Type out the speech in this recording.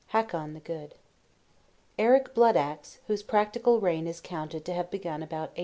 HAKON THE GOOD. Eric Blood axe, whose practical reign is counted to have begun about A.